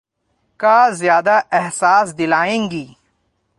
کا زیادہ احساس دلائیں گی۔